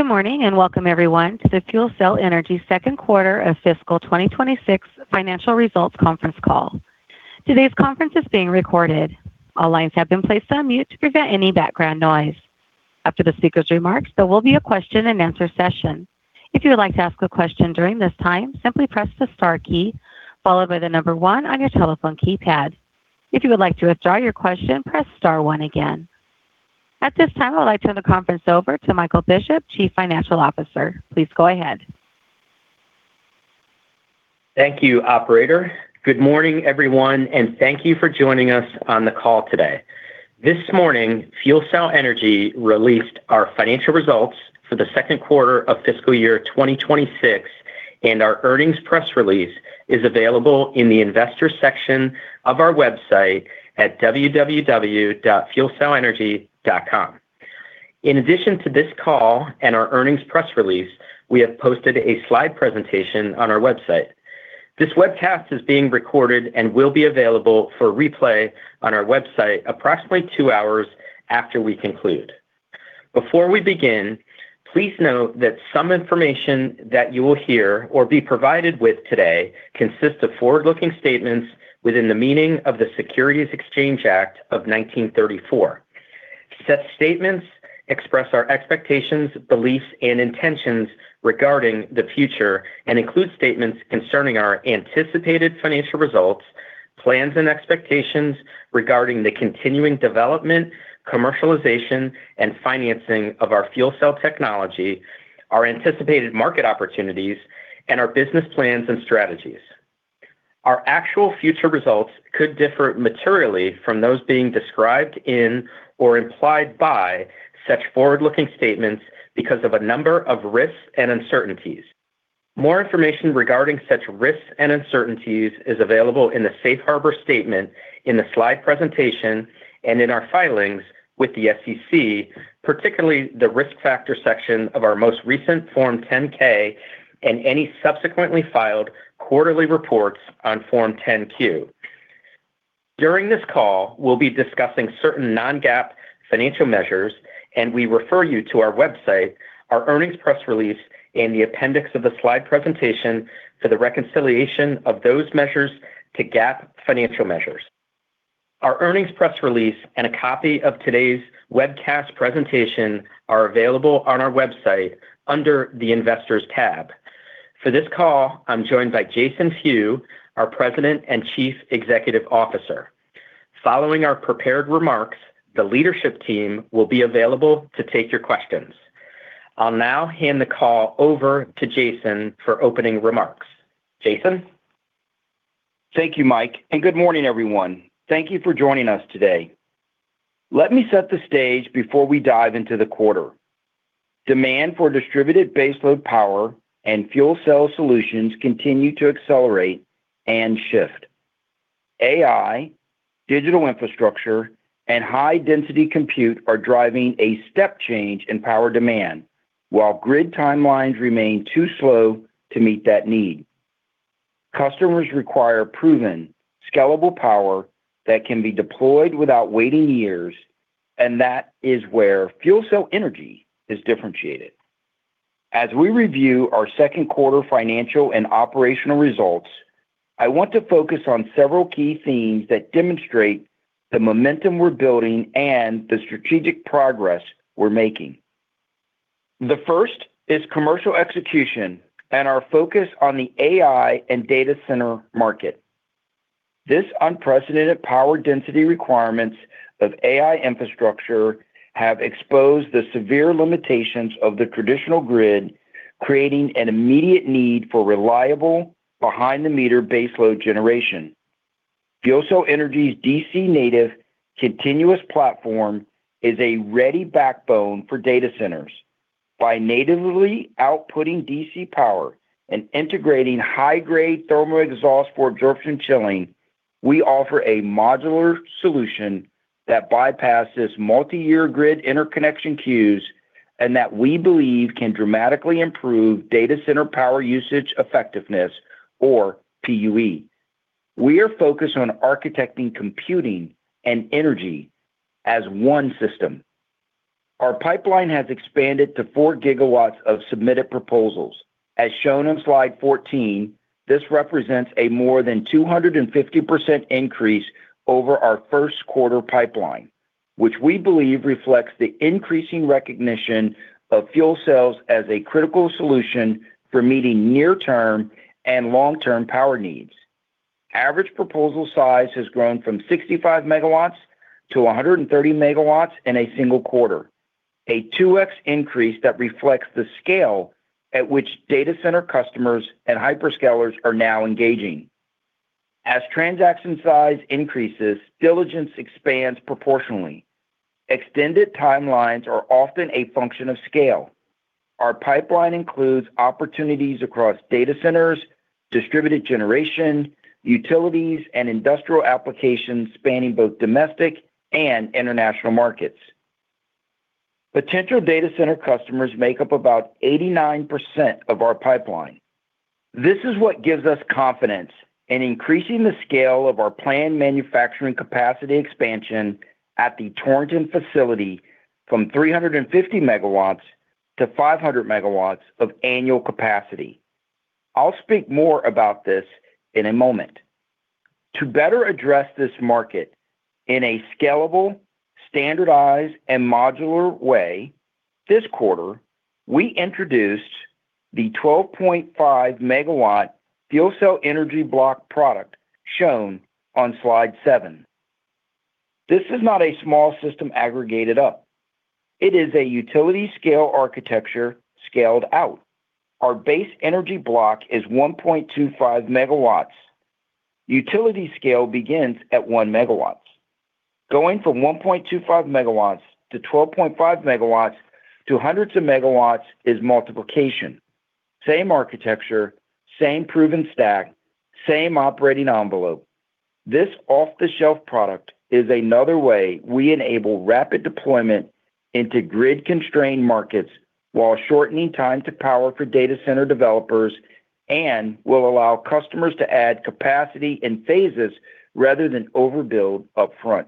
Good morning, welcome everyone to the FuelCell Energy second quarter of fiscal 2026 financial results conference call. Today's conference is being recorded. All lines have been placed on mute to prevent any background noise. After the speaker's remarks, there will be a question-and-answer session. If you would like to ask a question during this time, simply press the star key followed by the number one on your telephone keypad. If you would like to withdraw your question, press star one again. At this time, I would like to turn the conference over to Michael Bishop, Chief Financial Officer. Please go ahead. Thank you, operator. Good morning, everyone, thank you for joining us on the call today. This morning, FuelCell Energy released our financial results for the second quarter of fiscal year 2026, and our earnings press release is available in the Investors section of our website at www.fuelcellenergy.com. In addition to this call and our earnings press release, we have posted a slide presentation on our website. This webcast is being recorded and will be available for replay on our website approximately two hours after we conclude. Before we begin, please note that some information that you will hear or be provided with today consists of forward-looking statements within the meaning of the Securities Exchange Act of 1934. Such statements express our expectations, beliefs, and intentions regarding the future and include statements concerning our anticipated financial results, plans and expectations regarding the continuing development, commercialization, and financing of our fuel cell technology, our anticipated market opportunities, and our business plans and strategies. Our actual future results could differ materially from those being described in or implied by such forward-looking statements because of a number of risks and uncertainties. More information regarding such risks and uncertainties is available in the Safe Harbor statement, in the slide presentation, and in our filings with the SEC, particularly the Risk Factors section of our most recent Form 10-K, and any subsequently filed quarterly reports on Form 10-Q. During this call, we'll be discussing certain non-GAAP financial measures, and we refer you to our website, our earnings press release, and the appendix of the slide presentation for the reconciliation of those measures to GAAP financial measures. Our earnings press release and a copy of today's webcast presentation are available on our website under the Investors tab. For this call, I'm joined by Jason Few, our President and Chief Executive Officer. Following our prepared remarks, the leadership team will be available to take your questions. I'll now hand the call over to Jason for opening remarks. Jason? Thank you, Mike, and good morning, everyone. Thank you for joining us today. Let me set the stage before we dive into the quarter. Demand for distributed baseload power and fuel cell solutions continue to accelerate and shift. AI, digital infrastructure, and high-density compute are driving a step change in power demand, while grid timelines remain too slow to meet that need. Customers require proven, scalable power that can be deployed without waiting years, and that is where FuelCell Energy is differentiated. As we review our second quarter financial and operational results, I want to focus on several key themes that demonstrate the momentum we're building and the strategic progress we're making. The first is commercial execution and our focus on the AI and data center market. This unprecedented power density requirements of AI infrastructure have exposed the severe limitations of the traditional grid, creating an immediate need for reliable behind-the-meter baseload generation. FuelCell Energy's DC native continuous platform is a ready backbone for data centers. By natively outputting DC power and integrating high-grade thermal exhaust for absorption chilling, we offer a modular solution that bypasses multi-year grid interconnection queues and that we believe can dramatically improve data center power usage effectiveness or PUE. We are focused on architecting, computing, and energy as one system. Our pipeline has expanded to 4 GW of submitted proposals. As shown on slide 14, this represents a more than 250% increase over our first quarter pipeline, which we believe reflects the increasing recognition of fuel cells as a critical solution for meeting near-term and long-term power needs. Average proposal size has grown from 65 MW-130 MW in a single quarter. A 2x increase that reflects the scale at which data center customers and hyperscalers are now engaging. As transaction size increases, diligence expands proportionally. Extended timelines are often a function of scale. Our pipeline includes opportunities across data centers, distributed generation, utilities, and industrial applications spanning both domestic and international markets. Potential data center customers make up about 89% of our pipeline. This is what gives us confidence in increasing the scale of our planned manufacturing capacity expansion at the Torrington facility from 350 MW-500 MW of annual capacity. I'll speak more about this in a moment. To better address this market in a scalable, standardized, and modular way, this quarter, we introduced the 12.5-MW FuelCell Energy Block product shown on slide seven. This is not a small system aggregated up. It is a utility scale architecture scaled out. Our base energy block is 1.25 MW. Utility scale begins at 1 MW. Going from 1.25 MW-12.5 MW to hundreds of megawatts is multiplication. Same architecture, same proven stack, same operating envelope. This off-the-shelf product is another way we enable rapid deployment into grid-constrained markets while shortening time to power for data center developers and will allow customers to add capacity in phases rather than overbuild upfront.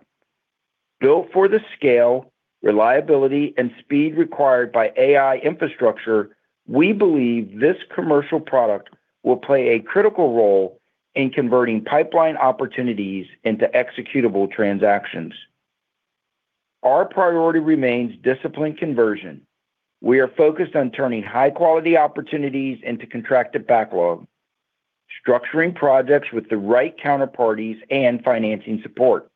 Built for the scale, reliability, and speed required by AI infrastructure, we believe this commercial product will play a critical role in converting pipeline opportunities into executable transactions. Our priority remains disciplined conversion. We are focused on turning high-quality opportunities into contracted backlog, structuring projects with the right counterparties and financing support.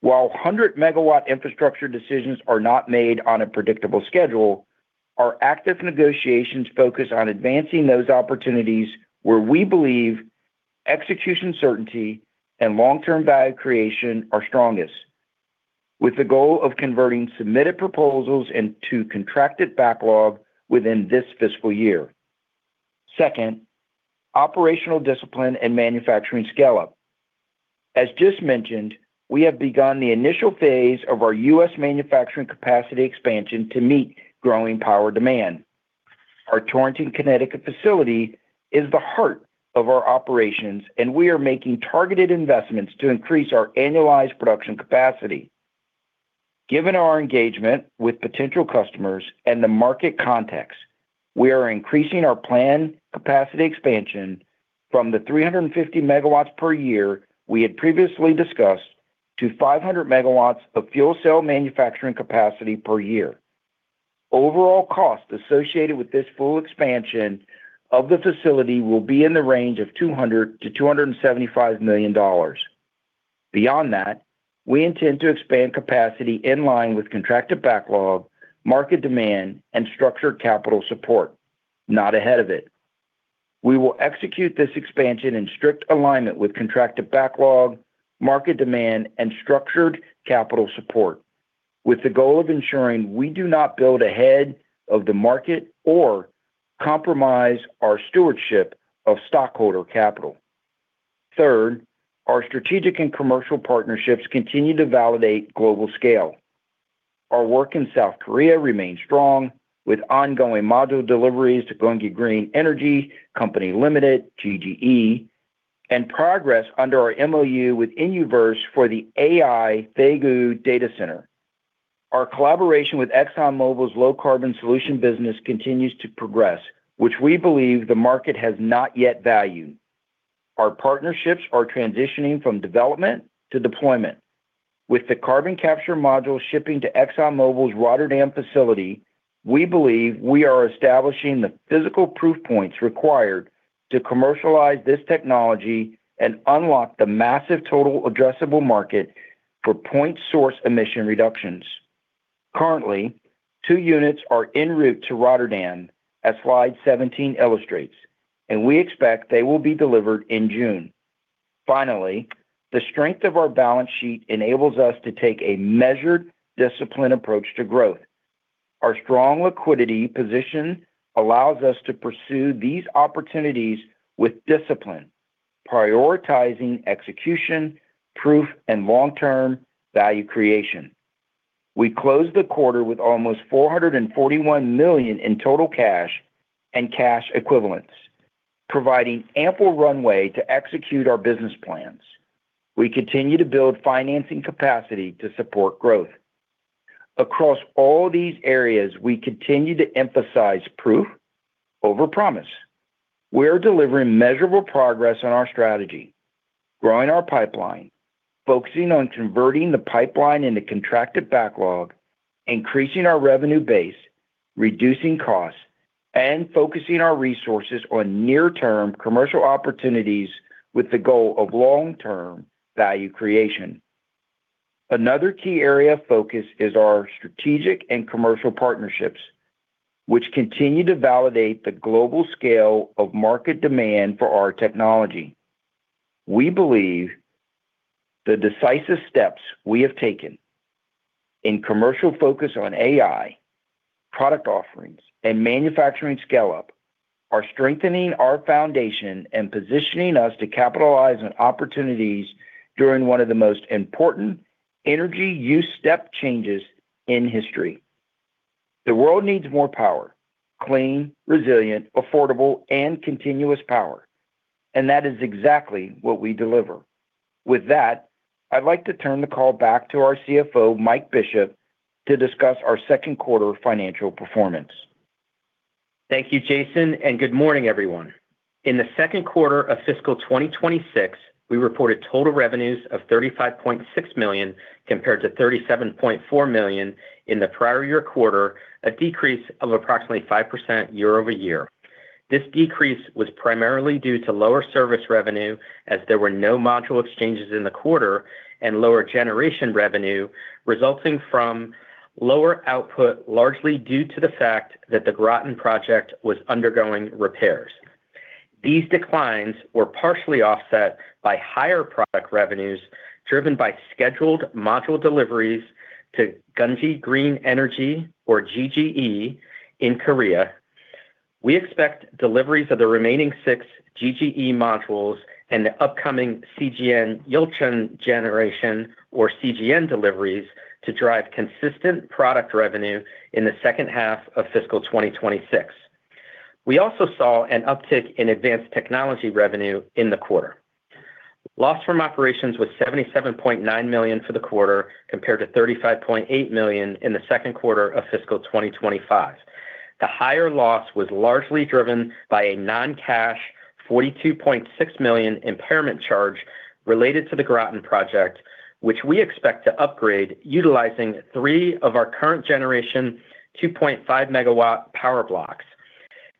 While 100 MW infrastructure decisions are not made on a predictable schedule, our active negotiations focus on advancing those opportunities where we believe execution certainty and long-term value creation are strongest, with the goal of converting submitted proposals into contracted backlog within this fiscal year. Second, operational discipline and manufacturing scale-up. As just mentioned, we have begun the initial phase of our U.S. manufacturing capacity expansion to meet growing power demand. Our Torrington, Connecticut facility is the heart of our operations, and we are making targeted investments to increase our annualized production capacity. Given our engagement with potential customers and the market context, we are increasing our planned capacity expansion from the 350 MW per year we had previously discussed to 500 MW of fuel cell manufacturing capacity per year. Overall cost associated with this full expansion of the facility will be in the range of $200 million-$275 million. Beyond that, we intend to expand capacity in line with contracted backlog, market demand, and structured capital support, not ahead of it. We will execute this expansion in strict alignment with contracted backlog, market demand, and structured capital support, with the goal of ensuring we do not build ahead of the market or compromise our stewardship of stockholder capital. Third, our strategic and commercial partnerships continue to validate global scale. Our work in South Korea remains strong with ongoing module deliveries to Gyeonggi Green Energy Company Limited, GGE, and progress under our MOU with Inuverse for the AI Daegu Data Center. Our collaboration with ExxonMobil's Low Carbon Solutions business continues to progress, which we believe the market has not yet valued. Our partnerships are transitioning from development to deployment. With the carbon capture module shipping to ExxonMobil's Rotterdam facility, we believe we are establishing the physical proof points required to commercialize this technology and unlock the massive total addressable market for point-source emission reductions. Currently, two units are en route to Rotterdam, as slide 17 illustrates, and we expect they will be delivered in June. Finally, the strength of our balance sheet enables us to take a measured, disciplined approach to growth. Our strong liquidity position allows us to pursue these opportunities with discipline, prioritizing execution, proof, and long-term value creation. We closed the quarter with almost $441 million in total cash and cash equivalents, providing ample runway to execute our business plans. We continue to build financing capacity to support growth. Across all these areas, we continue to emphasize proof over promise. We are delivering measurable progress on our strategy, growing our pipeline, focusing on converting the pipeline into contracted backlog, increasing our revenue base, reducing costs, and focusing our resources on near-term commercial opportunities with the goal of long-term value creation. Another key area of focus is our strategic and commercial partnerships, which continue to validate the global scale of market demand for our technology. We believe the decisive steps we have taken in commercial focus on AI, product offerings, and manufacturing scale-up are strengthening our foundation and positioning us to capitalize on opportunities during one of the most important energy use step changes in history. The world needs more power, clean, resilient, affordable, and continuous power, and that is exactly what we deliver. With that, I'd like to turn the call back to our CFO, Mike Bishop, to discuss our second quarter financial performance. Thank you, Jason, and good morning, everyone. In the second quarter of fiscal 2026, we reported total revenues of $35.6 million compared to $37.4 million in the prior year quarter, a decrease of approximately 5% year-over-year. This decrease was primarily due to lower service revenue, as there were no module exchanges in the quarter, and lower generation revenue resulting from lower output, largely due to the fact that the Groton project was undergoing repairs. These declines were partially offset by higher product revenues, driven by scheduled module deliveries to Gyeonggi Green Energy or GGE in Korea. We expect deliveries of the remaining six GGE modules and the upcoming CGN-Yulchon Generation, or CGN deliveries, to drive consistent product revenue in the second half of fiscal 2026. We also saw an uptick in advanced technology revenue in the quarter. Loss from operations was $77.9 million for the quarter, compared to $35.8 million in the second quarter of fiscal 2025. The higher loss was largely driven by a non-cash $42.6 million impairment charge related to the Groton project, which we expect to upgrade utilizing three of our current generation 2.5 MW power blocks.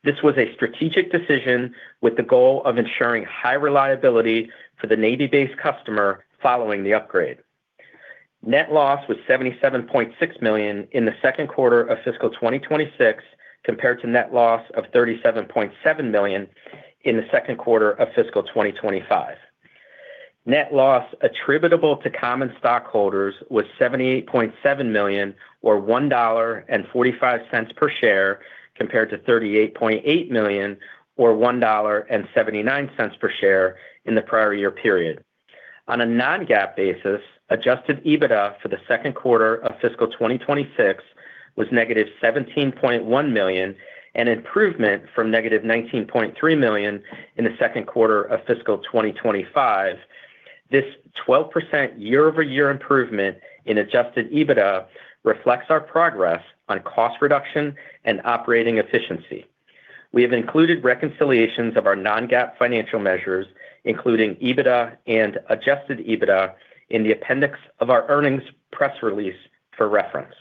This was a strategic decision with the goal of ensuring high reliability for the Navy base customer following the upgrade. Net loss was $77.6 million in the second quarter of fiscal 2026, compared to net loss of $37.7 million in the second quarter of fiscal 2025. Net loss attributable to common stockholders was $78.7 million or $1.45 per share, compared to $38.8 million or $1..79 per share in the prior year period. On a non-GAAP basis, adjusted EBITDA for the second quarter of fiscal 2026 was -$17.1 million, an improvement from -$19.3 million in the second quarter of fiscal 2025. This 12% year-over-year improvement in adjusted EBITDA reflects our progress on cost reduction and operating efficiency. We have included reconciliations of our non-GAAP financial measures, including EBITDA and adjusted EBITDA, in the appendix of our earnings press release for reference.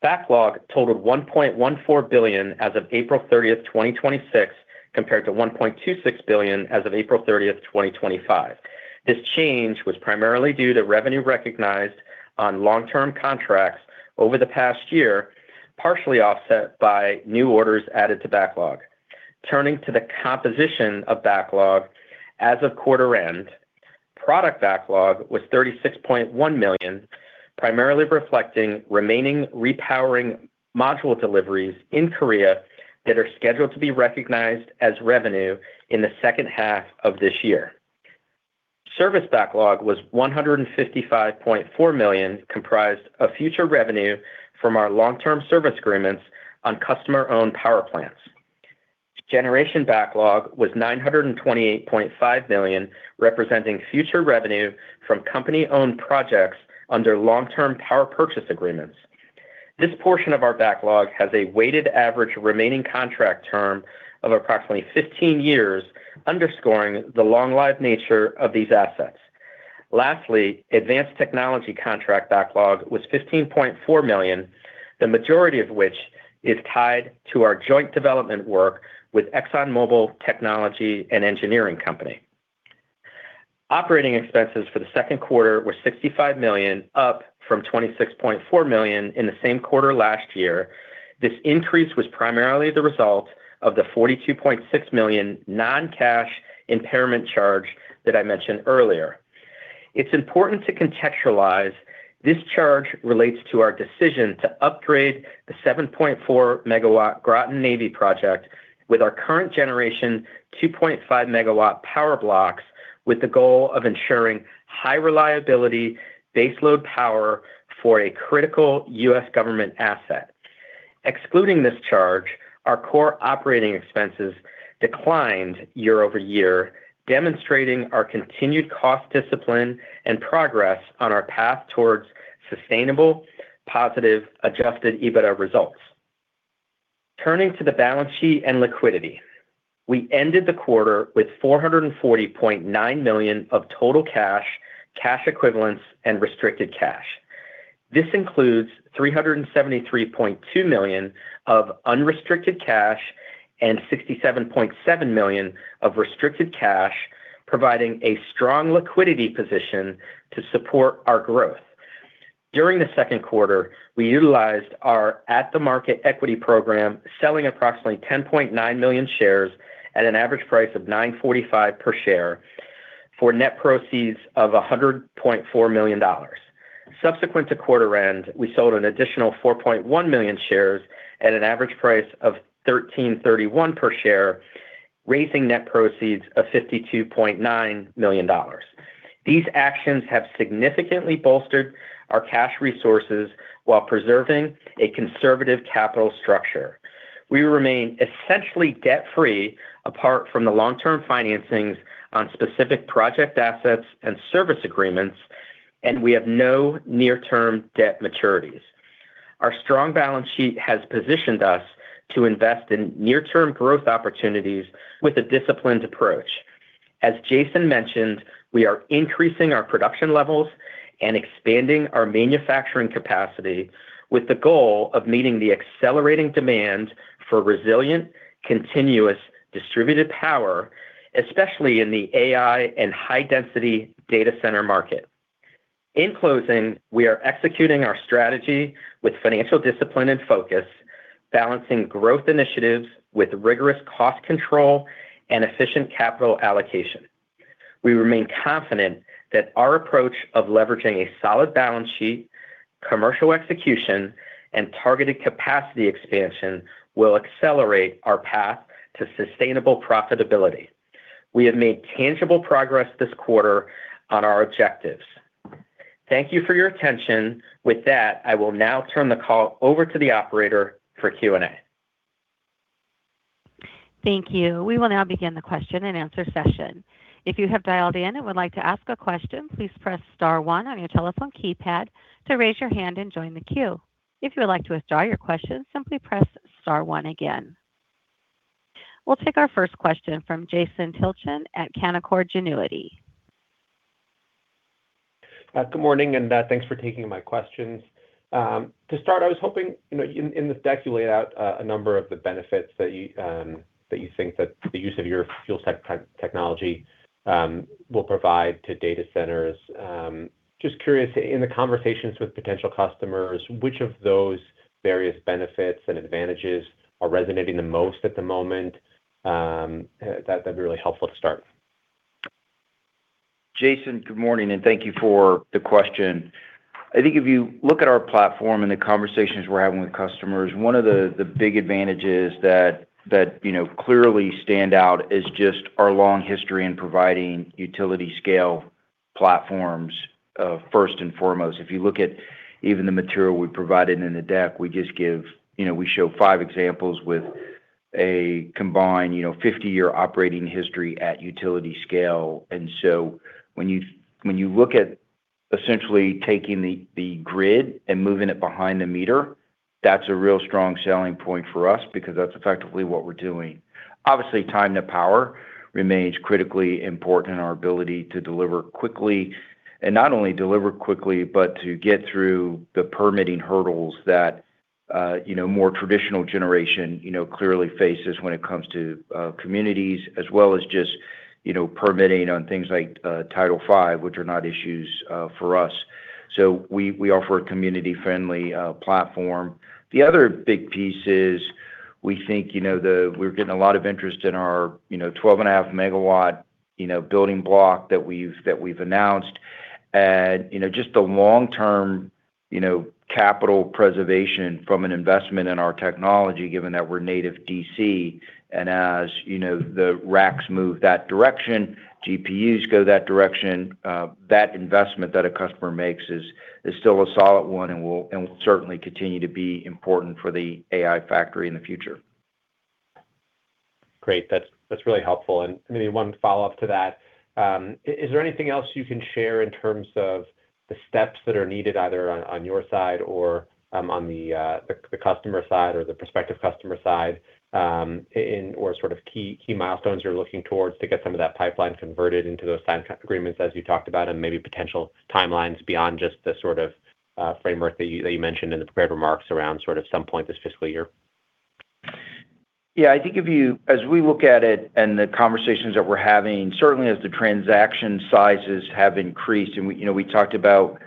Backlog totaled $1.14 billion as of April 30th, 2026, compared to $1.26 billion as of April 30th, 2025. This change was primarily due to revenue recognized on long-term contracts over the past year, partially offset by new orders added to backlog. Turning to the composition of backlog as of quarter end, product backlog was $36.1 million, primarily reflecting remaining repowering module deliveries in Korea that are scheduled to be recognized as revenue in the second half of this year. Service backlog was $155.4 million, comprised of future revenue from our long-term service agreements on customer-owned power plants. Generation backlog was $928.5 million, representing future revenue from company-owned projects under long-term power purchase agreements. This portion of our backlog has a weighted average remaining contract term of approximately 15 years, underscoring the long-life nature of these assets. Lastly, advanced technology contract backlog was $15.4 million, the majority of which is tied to our joint development work with ExxonMobil Technology and Engineering Company. Operating expenses for the second quarter were $65 million, up from $26.4 million in the same quarter last year. This increase was primarily the result of the $42.6 million non-cash impairment charge that I mentioned earlier. It's important to contextualize this charge relates to our decision to upgrade the 7.4 MW Groton Navy project with our current generation 2.5 MW power blocks, with the goal of ensuring high reliability baseload power for a critical U.S. government asset. Excluding this charge, our core operating expenses declined year-over-year, demonstrating our continued cost discipline and progress on our path towards sustainable positive adjusted EBITDA results. Turning to the balance sheet and liquidity, we ended the quarter with $440.9 million of total cash equivalents, and restricted cash. This includes $373.2 million of unrestricted cash and $67.7 million of restricted cash, providing a strong liquidity position to support our growth. During the second quarter, we utilized our at-the-market equity program, selling approximately 10.9 million shares at an average price of $9.45 per share, for net proceeds of $100.4 million. Subsequent to quarter end, we sold an additional 4.1 million shares at an average price of $13.31 per share, raising net proceeds of $52.9 million. These actions have significantly bolstered our cash resources while preserving a conservative capital structure. We remain essentially debt-free apart from the long-term financings on specific project assets and service agreements, and we have no near-term debt maturities. Our strong balance sheet has positioned us to invest in near-term growth opportunities with a disciplined approach. As Jason mentioned, we are increasing our production levels and expanding our manufacturing capacity with the goal of meeting the accelerating demand for resilient, continuous distributed power, especially in the AI and high-density data center market. In closing, we are executing our strategy with financial discipline and focus, balancing growth initiatives with rigorous cost control and efficient capital allocation. We remain confident that our approach of leveraging a solid balance sheet, commercial execution, and targeted capacity expansion will accelerate our path to sustainable profitability. We have made tangible progress this quarter on our objectives. Thank you for your attention. With that, I will now turn the call over to the operator for Q&A. Thank you. We will now begin the question0and-answer session. If you have dialed in and would like to ask a question, please press star one on your telephone keypad to raise your hand and join the queue. If you would like to withdraw your question, simply press star one again. We will take our first question from Jason Tilchen at Canaccord Genuity. Good morning, and thanks for taking my questions. To start, I was hoping, in the deck, you laid out a number of the benefits that you think that the use of your fuel cell technology will provide to data centers. Just curious, in the conversations with potential customers, which of those various benefits and advantages are resonating the most at the moment? That would be really helpful to start. Jason, good morning, and thank you for the question. I think if you look at our platform and the conversations we are having with customers, one of the big advantages that clearly stand out is just our long history in providing utility scale platforms first and foremost. If you look at even the material we provided in the deck, we show five examples with a combined 50-year operating history at utility scale. When you look at essentially taking the grid and moving it behind the meter, that is a real strong selling point for us because that is effectively what we are doing. Obviously, time to power remains critically important in our ability to deliver quickly, not only deliver quickly, but to get through the permitting hurdles that more traditional generation clearly faces when it comes to communities as well as just permitting on things like Title V, which are not issues for us. We offer a community-friendly platform. The other big piece is we think we are getting a lot of interest in our 12.5 MW building block that we have announced, and just the long-term capital preservation from an investment in our technology, given that we are native DC, as the racks move that direction, GPUs go that direction, that investment that a customer makes is still a solid one and will certainly continue to be important for the AI factory in the future. Great. That's really helpful. Maybe one follow-up to that. Is there anything else you can share in terms of the steps that are needed, either on your side or on the customer side, or the prospective customer side, or sort of key milestones you're looking towards to get some of that pipeline converted into those signed agreements as you talked about, and maybe potential timelines beyond just the sort of framework that you mentioned in the prepared remarks around sort of some point this fiscal year? I think as we look at it and the conversations that we're having, certainly as the transaction sizes have increased, we talked about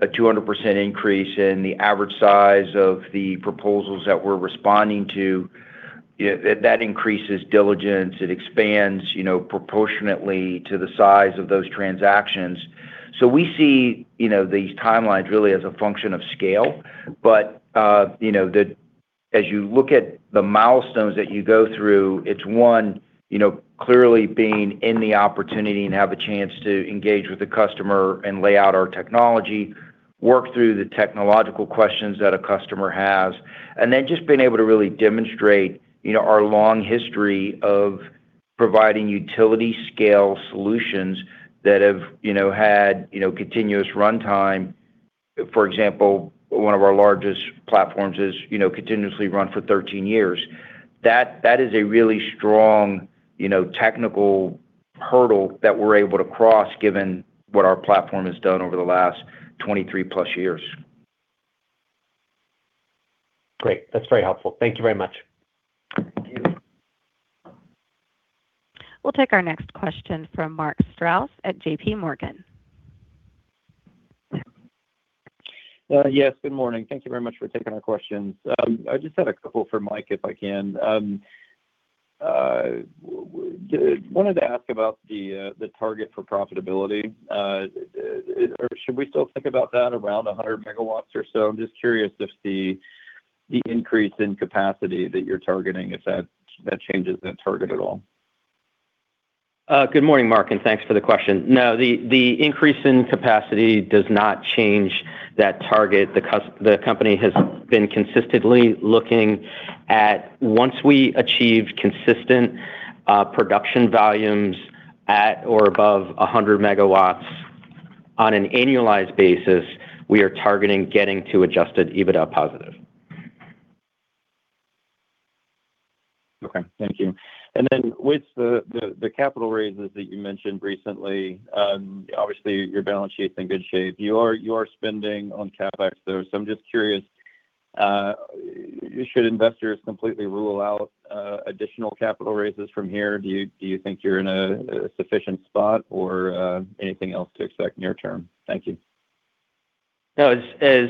a 200% increase in the average size of the proposals that we're responding to, that increases diligence. It expands proportionately to the size of those transactions. We see these timelines really as a function of scale. As you look at the milestones that you go through, it's one, clearly being in the opportunity and have a chance to engage with the customer and lay out our technology, work through the technological questions that a customer has, and then just being able to really demonstrate our long history of providing utility scale solutions that have had continuous runtime. For example, one of our largest platforms has continuously run for 13 years. That is a really strong technical hurdle that we're able to cross given what our platform has done over the last 23+ years. Great. That's very helpful. Thank you very much. Thank you. We'll take our next question from Mark Strouse at JPMorgan. Yes, good morning. Thank you very much for taking our questions. I just had a couple for Mike, if I can. Wanted to ask about the target for profitability. Or should we still think about that around 100 MW or so? I'm just curious if the increase in capacity that you're targeting, if that changes that target at all. Good morning, Mark, and thanks for the question. No, the increase in capacity does not change that target. The company has been consistently looking at once we achieve consistent production volumes at or above 100 MW on an annualized basis, we are targeting getting to adjusted EBITDA positive. Okay. Thank you. With the capital raises that you mentioned recently, obviously your balance sheet's in good shape. You are spending on CapEx though, I'm just curious, should investors completely rule out additional capital raises from here? Do you think you're in a sufficient spot or anything else to expect near term? Thank you. No. As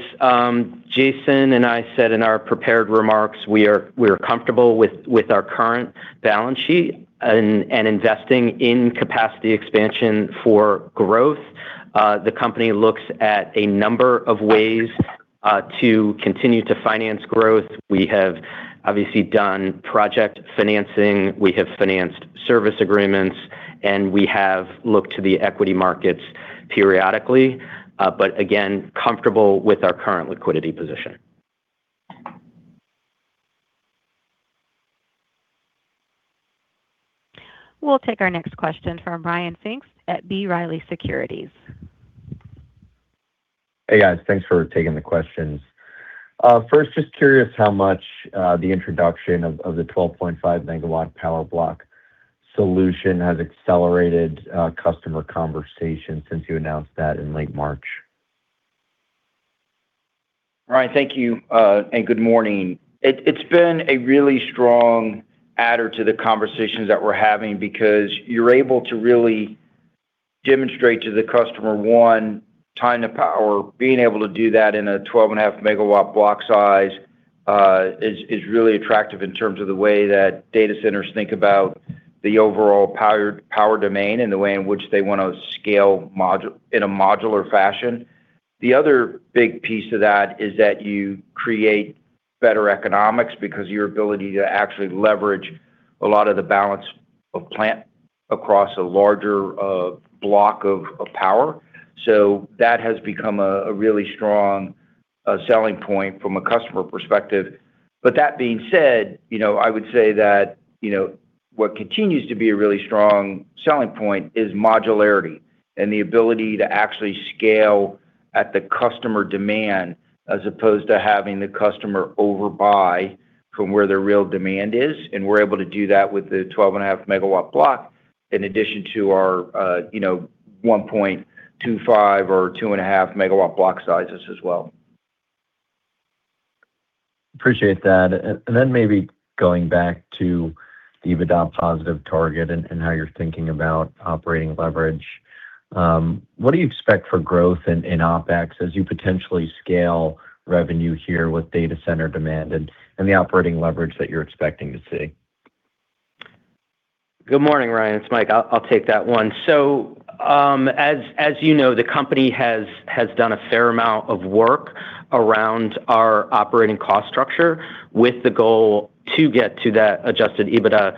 Jason and I said in our prepared remarks, we are comfortable with our current balance sheet and investing in capacity expansion for growth. The company looks at a number of ways to continue to finance growth. We have obviously done project financing. We have financed service agreements, we have looked to the equity markets periodically. Again, comfortable with our current liquidity position. We'll take our next question from Ryan Pfingst at B. Riley Securities. Hey, guys. Thanks for taking the questions. First, just curious how much the introduction of the 12.5 MW power block solution has accelerated customer conversations since you announced that in late March. Ryan, thank you, and good morning. It's been a really strong adder to the conversations that we're having because you're able to really demonstrate to the customer, one, time to power, being able to do that in a 12.5 MW block size, is really attractive in terms of the way that data centers think about the overall power domain and the way in which they want to scale in a modular fashion. The other big piece of that is that you create better economics because your ability to actually leverage a lot of the balance of plant across a larger block of power. That has become a really strong selling point from a customer perspective. That being said, I would say that what continues to be a really strong selling point is modularity and the ability to actually scale at the customer demand as opposed to having the customer overbuy from where their real demand is. We're able to do that with the 12.5 MW block in addition to our 1.25 MW or 2.5 MW block sizes as well. Appreciate that. Then maybe going back to the EBITDA positive target and how you're thinking about operating leverage. What do you expect for growth in OpEx as you potentially scale revenue here with data center demand and the operating leverage that you're expecting to see? Good morning, Ryan. It's Mike. I'll take that one. As you know, the company has done a fair amount of work around our operating cost structure with the goal to get to that adjusted EBITDA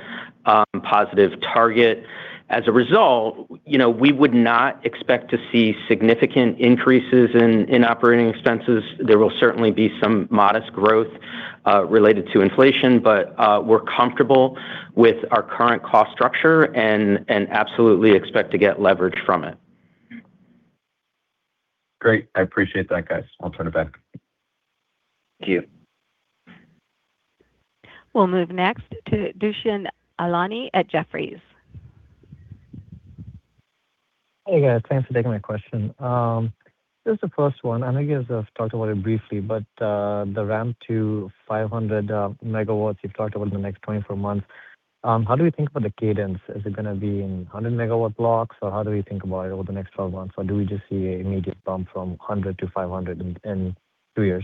positive target. As a result, we would not expect to see significant increases in operating expenses. There will certainly be some modest growth related to inflation. We're comfortable with our current cost structure and absolutely expect to get leverage from it. Great. I appreciate that, guys. I'll turn it back. Thank you. We'll move next to Dushyant Ailani at Jefferies. Hey, guys. Thanks for taking my question. Just the first one, and I guess I've talked about it briefly, but the ramp to 500 MW you've talked about in the next 24 months. How do we think about the cadence? Is it going to be in 100 MW blocks, or how do we think about it over the next 12 months? Do we just see an immediate bump from 100 MW-500 MW in two years?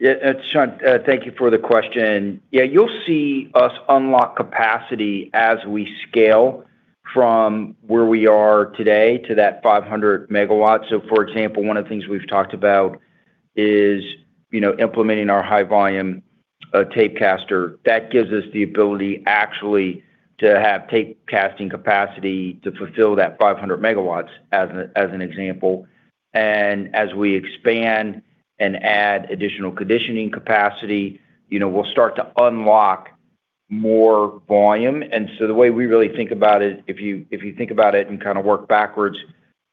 Dushyant, thank you for the question. You'll see us unlock capacity as we scale from where we are today to that 500 MW. For example, one of the things we've talked about is implementing our high volume tape caster. That gives us the ability actually to have tape casting capacity to fulfill that 500 MW as an example. As we expand and add additional conditioning capacity, we'll start to unlock more volume. The way we really think about it, if you think about it and kind of work backwards,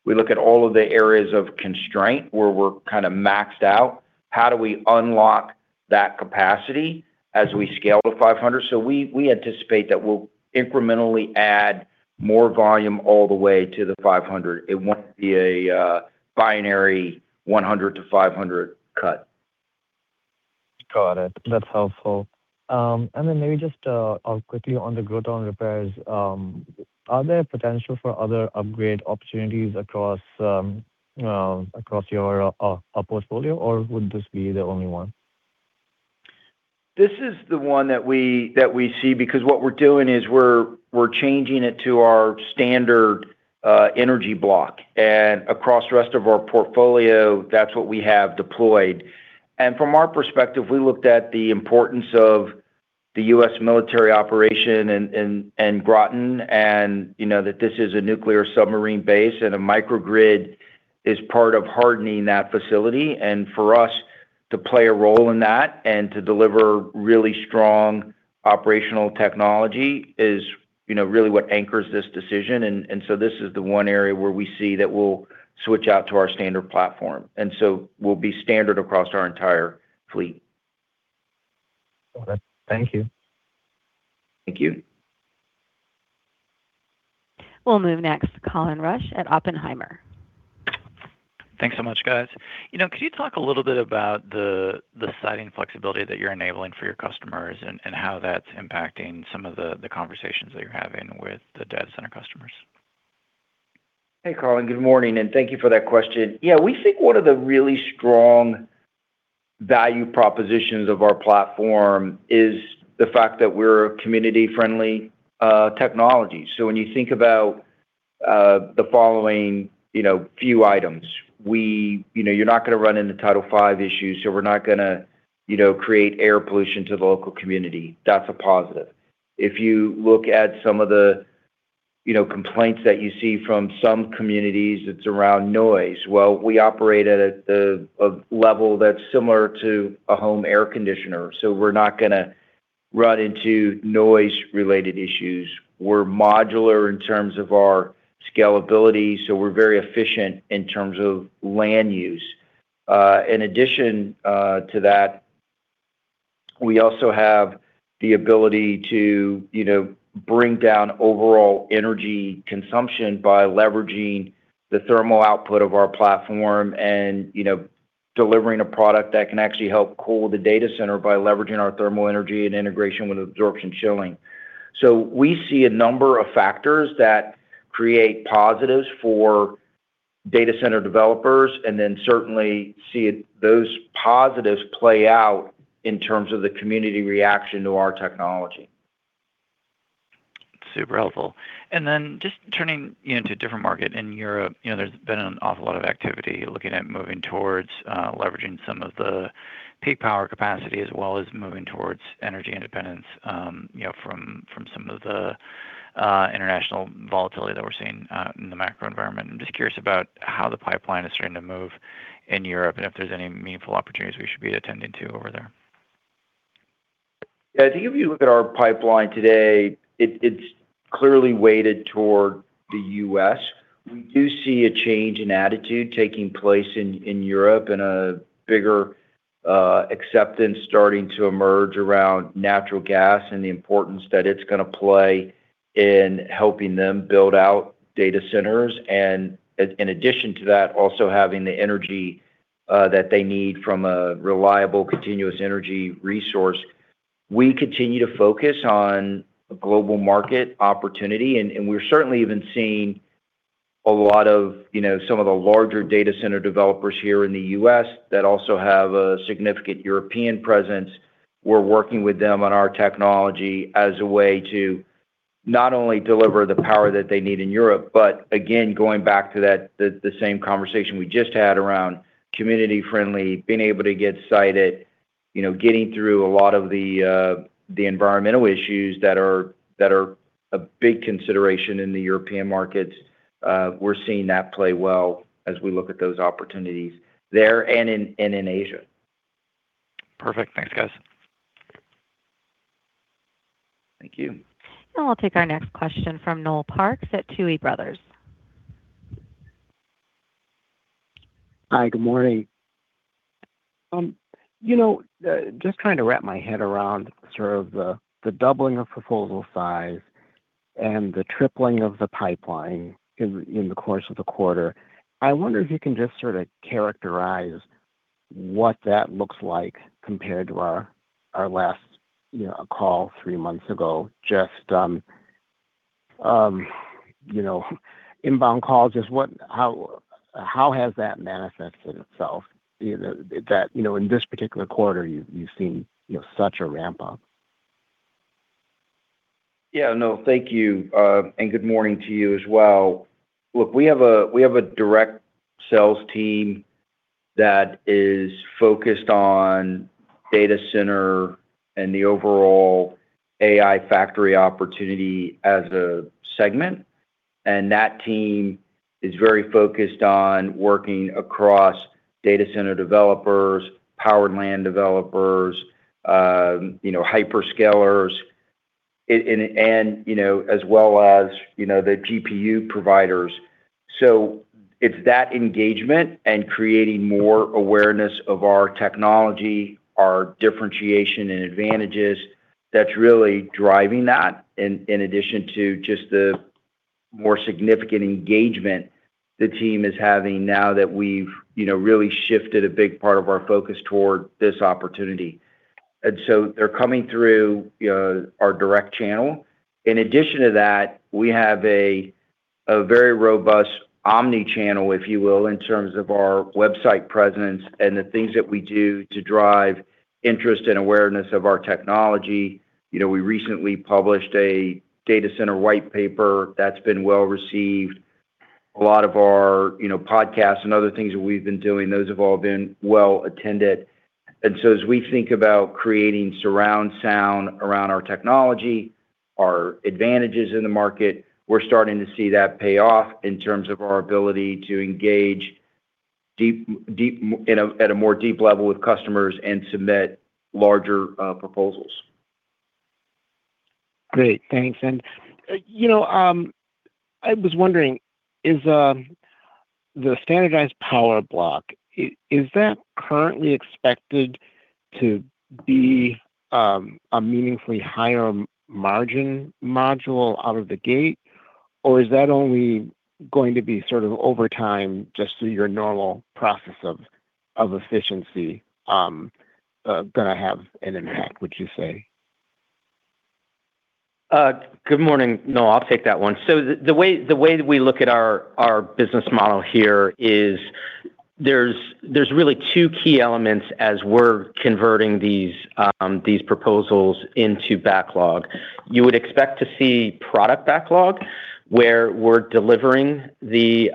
we look at all of the areas of constraint where we're kind of maxed out. How do we unlock that capacity as we scale to 500 MW? We anticipate that we'll incrementally add more volume all the way to the 500. It won't be a binary 100 MW-500 MW cut. Got it. That's helpful. Maybe just on the growth on repairs. Are there potential for other upgrade opportunities across your portfolio, or would this be the only one? This is the one that we see because what we're doing is we're changing it to our standard energy block. Across the rest of our portfolio, that's what we have deployed. From our perspective, we looked at the importance of the U.S. military operation and Groton and that this is a nuclear submarine base, and a microgrid is part of hardening that facility. For us to play a role in that and to deliver really strong operational technology is really what anchors this decision. This is the one area where we see that we'll switch out to our standard platform. We'll be standard across our entire fleet. All right. Thank you. Thank you. We'll move next to Colin Rusch at Oppenheimer. Thanks so much, guys. Could you talk a little bit about the siting flexibility that you're enabling for your customers and how that's impacting some of the conversations that you're having with the data center customers? Hey, Colin. Good morning, and thank you for that question. Yeah, we think one of the really strong value propositions of our platform is the fact that we're a community-friendly technology. When you think about the following few items. You're not going to run into Title V issues. We're not going to create air pollution to the local community. That's a positive. If you look at some of the complaints that you see from some communities, it's around noise. Well, we operate at a level that's similar to a home air conditioner. We're not going to run into noise-related issues. We're modular in terms of our scalability. We're very efficient in terms of land use. We also have the ability to bring down overall energy consumption by leveraging the thermal output of our platform and delivering a product that can actually help cool the data center by leveraging our thermal energy and integration with absorption chilling. We see a number of factors that create positives for data center developers and then certainly see those positives play out in terms of the community reaction to our technology. Super helpful. Just turning into a different market. In Europe, there's been an awful lot of activity looking at moving towards leveraging some of the peak power capacity as well as moving towards energy independence from some of the international volatility that we're seeing in the macro environment. I'm just curious about how the pipeline is starting to move in Europe and if there's any meaningful opportunities we should be attending to over there. I think if you look at our pipeline today, it's clearly weighted toward the U.S. We do see a change in attitude taking place in Europe and a bigger acceptance starting to emerge around natural gas and the importance that it's going to play in helping them build out data centers. In addition to that, also having the energy that they need from a reliable, continuous energy resource. We continue to focus on a global market opportunity, and we're certainly even seeing some of the larger data center developers here in the U.S. that also have a significant European presence. We're working with them on our technology as a way to not only deliver the power that they need in Europe, again, going back to the same conversation we just had around community-friendly, being able to get sited, getting through a lot of the environmental issues that are a big consideration in the European markets. We're seeing that play well as we look at those opportunities there and in Asia. Perfect. Thanks, guys. Thank you. We'll take our next question from Noel Parks at Tuohy Brothers. Hi. Good morning. Just trying to wrap my head around sort of the doubling of proposal size and the tripling of the pipeline in the course of the quarter. I wonder if you can just sort of characterize what that looks like compared to our last call three months ago. Just inbound calls, how has that manifested itself that in this particular quarter you've seen such a ramp-up? Noel, thank you. Good morning to you as well. Look, we have a direct sales team that is focused on data center and the overall AI factory opportunity as a segment. That team is very focused on working across data center developers, powered land developers, hyperscalers, and as well as the GPU providers. It's that engagement and creating more awareness of our technology, our differentiation, and advantages that's really driving that in addition to just the more significant engagement the team is having now that we've really shifted a big part of our focus toward this opportunity. They're coming through our direct channel. In addition to that, we have a very robust omni-channel, if you will, in terms of our website presence and the things that we do to drive interest and awareness of our technology. We recently published a data center white paper that's been well-received. A lot of our podcasts and other things that we've been doing, those have all been well-attended. As we think about creating surround sound around our technology, our advantages in the market, we're starting to see that pay off in terms of our ability to engage at a more deep level with customers and submit larger proposals. Great, thanks. I was wondering, is the standardized power block, is that currently expected to be a meaningfully higher margin module out of the gate? Or is that only going to be sort of over time, just through your normal process of efficiency, going to have an impact, would you say? Good morning. No, I'll take that one. The way that we look at our business model here is there's really two key elements as we're converting these proposals into backlog. You would expect to see product backlog where we're delivering the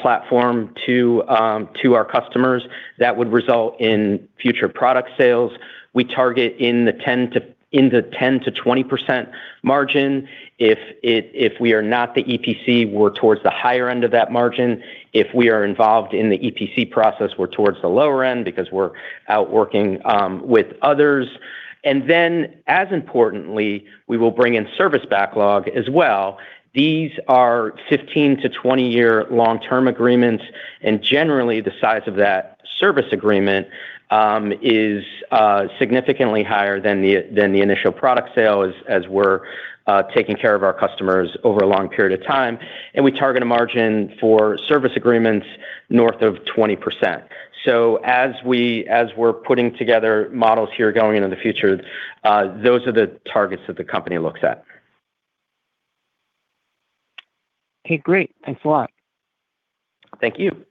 platform to our customers. That would result in future product sales. We target in the 10%-20% margin. If we are not the EPC, we're towards the higher end of that margin. If we are involved in the EPC process, we're towards the lower end because we're out working with others. As importantly, we will bring in service backlog as well. These are 15-20-year long-term agreements, and generally, the size of that service agreement is significantly higher than the initial product sale as we're taking care of our customers over a long period of time. We target a margin for service agreements north of 20%. As we're putting together models here going into the future, those are the targets that the company looks at. Okay, great. Thanks a lot. Thank you.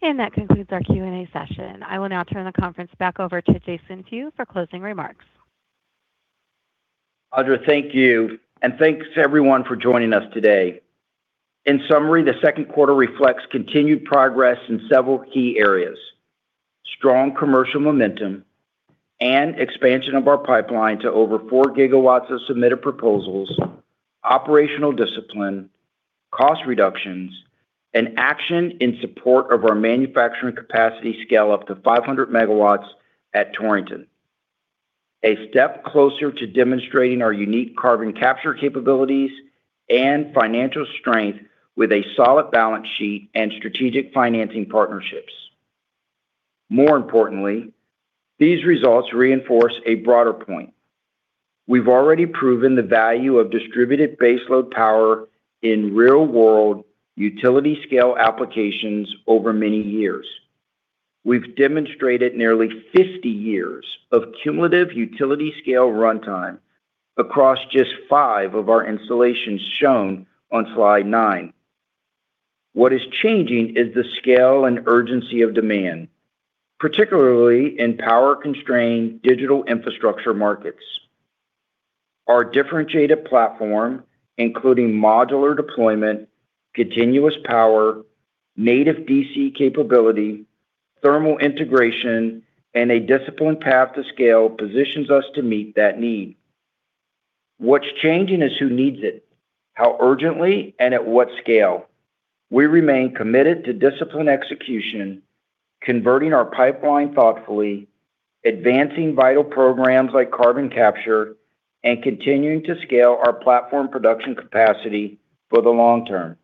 That concludes our Q&A session. I will now turn the conference back over to Jason Few for closing remarks. Audra, thank you, and thanks everyone for joining us today. In summary, the second quarter reflects continued progress in several key areas: strong commercial momentum and expansion of our pipeline to over 4 GW of submitted proposals, operational discipline, cost reductions, and action in support of our manufacturing capacity scale-up to 500 MW at Torrington. A step closer to demonstrating our unique carbon capture capabilities and financial strength with a solid balance sheet and strategic financing partnerships. More importantly, these results reinforce a broader point. We've already proven the value of distributed baseload power in real-world utility-scale applications over many years. We've demonstrated nearly 50 years of cumulative utility-scale runtime across just five of our installations shown on slide nine. What is changing is the scale and urgency of demand, particularly in power-constrained digital infrastructure markets. Our differentiated platform, including modular deployment, continuous power, native DC capability, thermal integration, and a disciplined path to scale, positions us to meet that need. What's changing is who needs it, how urgently, and at what scale. We remain committed to disciplined execution, converting our pipeline thoughtfully, advancing vital programs like carbon capture, and continuing to scale our platform production capacity for the long term.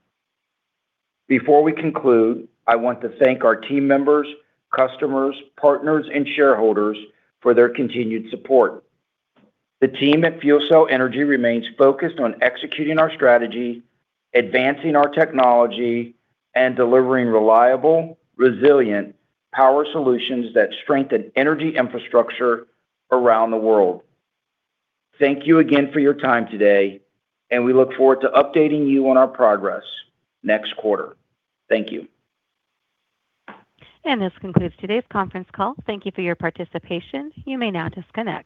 Before we conclude, I want to thank our team members, customers, partners, and shareholders for their continued support. The team at FuelCell Energy remains focused on executing our strategy, advancing our technology, and delivering reliable, resilient power solutions that strengthen energy infrastructure around the world. Thank you again for your time today. We look forward to updating you on our progress next quarter. Thank you. This concludes today's conference call. Thank you for your participation. You may now disconnect.